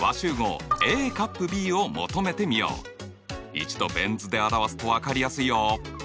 一度ベン図で表すと分かりやすいよ。